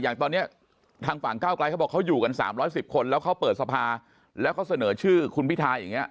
อย่างตอนนี้ทางฝั่งก้าวไกลเขาบอกเขาอยู่กัน๓๑๐คนแล้วเขาเปิดสภาแล้วเขาเสนอชื่อคุณพิทาอย่างนี้